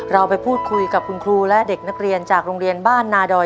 เราไปพูดคุยกับคุณครูและเด็กนักเรียนจากโรงเรียนบ้านนาดอย